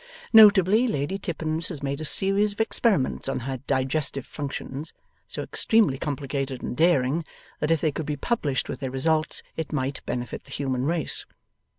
Notably, Lady Tippins has made a series of experiments on her digestive functions, so extremely complicated and daring, that if they could be published with their results it might benefit the human race.